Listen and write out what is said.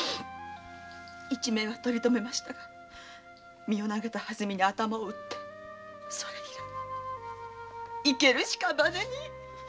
一命は取り留めましたが身を投げたはずみに頭を打ちそれ以来生ける屍に。